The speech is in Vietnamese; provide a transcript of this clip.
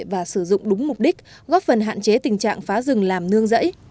và sử dụng đúng mục đích góp phần hạn chế tình trạng phá rừng làm nương rẫy